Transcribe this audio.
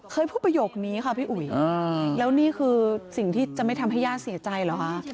เคยพูดประโยคนี้ค่ะพี่อุ๋ยแล้วนี่คือสิ่งที่จะไม่ทำให้ย่าเสียใจเหรอคะ